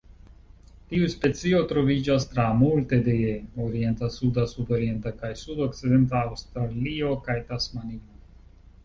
Tiu specio troviĝas tra multe de orienta, suda, sudorienta kaj sudokcidenta Aŭstralio kaj Tasmanio.